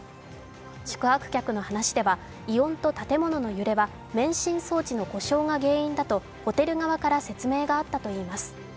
宿泊客の話では、異音と建物の揺れは免震装置の故障が原因だとホテル側から説明があったといいます。